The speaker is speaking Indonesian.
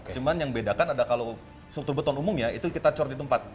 cuman yang bedakan ada kalau struktur beton umumnya itu kita cor di tempat